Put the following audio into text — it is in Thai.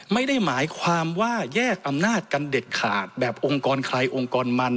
ไม่ได้หมายความว่าแยกอำนาจกันเด็ดขาดแบบองค์กรใครองค์กรมัน